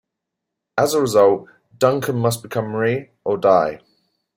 As a result, Duncan must become Mri or die.